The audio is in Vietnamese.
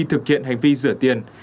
thực hiện hành vi rửa tiền